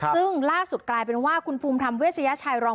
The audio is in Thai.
ซึ่งล่าสุดกลายเป็นว่าคุณภูมิธรรมเวชยชัยรอง